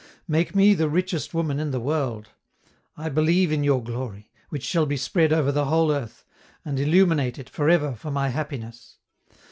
Make me the richest woman in the world. I believe in your glory, which shall be spread over the whole earth, and illuminate it for ever for my happiness.